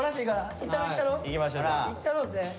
行ったろうぜ。